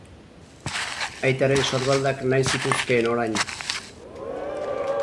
Aitaren sorbaldak nahi zituzkeen orain.